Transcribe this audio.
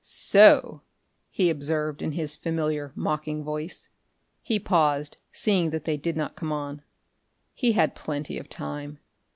"So!" he observed in his familiar, mocking voice. He paused, seeing that they did not come on. He had plenty of time.